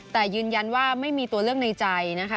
แต่ยืนยันว่าไม่มีตัวเลือกในใจนะคะ